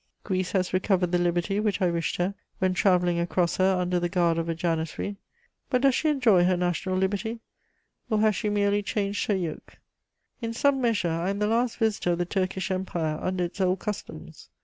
Greece has recovered the liberty which I wished her when travelling across her under the guard of a janissary. But does she enjoy her national liberty, or has she merely changed her yoke? [Sidenote: The future of the East.] In some measure I am the last visitor of the Turkish Empire under its old customs.